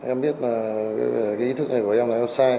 em biết là cái ý thức này của em là em sai